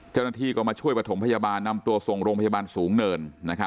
เจ้าหน้าที่ก็มาช่วยประถมพยาบาลนำตัวส่งโรงพยาบาลสูงเนิน